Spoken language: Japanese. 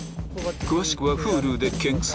詳しくはＨｕｌｕで検索